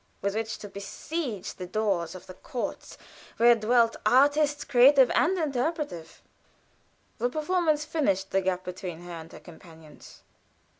with which to besiege the doors of the courts in which dwell artists creative and interpretative. The performance finished the gap between her and her companions.